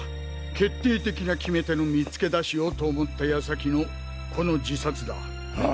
決定的な決め手の見つけ出しをと思った矢先のこの自殺だ。